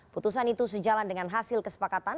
putusan itu sejalan dengan hasil kesepakatan